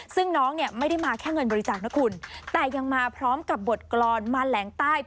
ซึ่งน้องเนี่ยไม่ได้มาแค่เงินบริจาคนะคุณแต่ยังมาพร้อมกับบทกรรมมาแหลงใต้